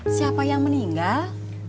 siapa yang meninggal